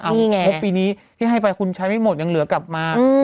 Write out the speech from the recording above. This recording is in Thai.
เอางบปีนี้ที่ให้ไปคุณใช้ไม่หมดยังเหลือกลับมา